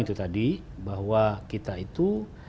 itu tadi bahwa kita itu